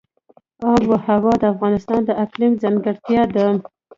آب وهوا د افغانستان د اقلیم ځانګړتیا ده.